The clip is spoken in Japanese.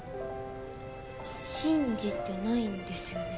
信じてないんですよね。